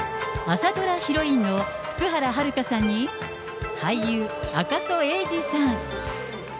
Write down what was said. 朝ドラヒロインの福原遥さんに、俳優、赤楚衛二さん。